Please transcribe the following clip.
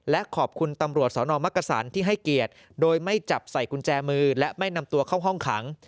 และขอบคุณตำรวจสนมักกษันที่ให้เกียรติโดยไม่จับใส่กุญแจมือและไม่นำตัวเข้าห้องขัง